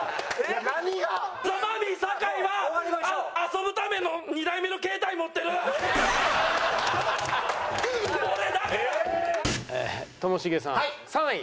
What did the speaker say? ザ・マミィ酒井は遊ぶための２台目の携帯持ってる！ともしげさん３位。